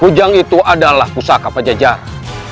kucang itu adalah pusaka pajajara